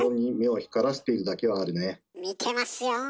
見てますよ。